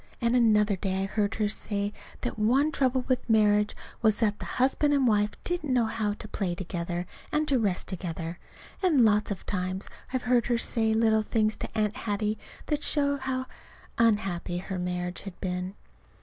And another day I heard her say that one trouble with marriage was that the husband and wife didn't know how to play together and to rest together. And lots of times I've heard her say little things to Aunt Hattie that showed how unhappy her marriage had been.